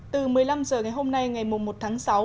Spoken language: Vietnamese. từ một mươi năm h ngày hôm nay ngày một tháng sáu